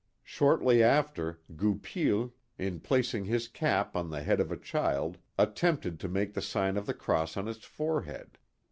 Shortly after, Goupil, in placing his cap on the head of a child, attempted to make the sign of the cross on its forehead.